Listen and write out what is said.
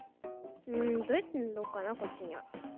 んどうやってぬろうかなこっちには。